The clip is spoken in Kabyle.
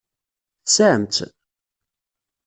Tesɛam-tt?